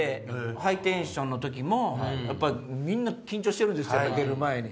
「ハイテンション」の時もみんな緊張してるんです出る前。